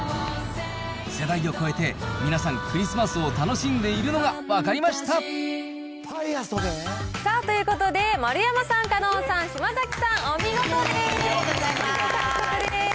世代を超えて、皆さんクリスマスを楽しんでいるのが分かりましたさあ、ということで、丸山さん、狩野さん、ありがとうございます。